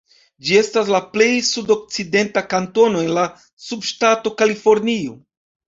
Ĝi estas la plej sudokcidenta kantono en la subŝtato Kalifornio.